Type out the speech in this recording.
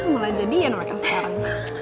mulai jadian makin sekarang